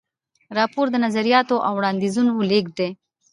راپور د نظریاتو او وړاندیزونو لیږد دی.